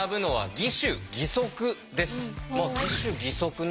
義手義足ね。